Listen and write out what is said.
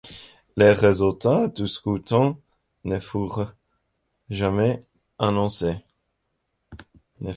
Les résultats du scrutin ne furent jamais annoncés.